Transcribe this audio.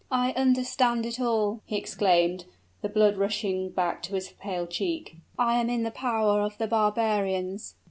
"I understand it all!" he exclaimed, the blood rushing back to his pale cheek; "I am in the power of the barbarians!"